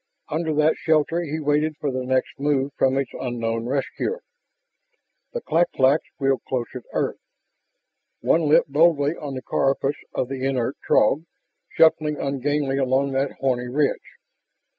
Under that shelter he waited for the next move from his unknown rescuer. The clak claks wheeled closer to earth. One lit boldly on the carapace of the inert Throg, shuffling ungainly along that horny ridge.